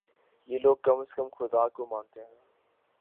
یہ لوگ کم از کم خدا کو مانتے ہیں۔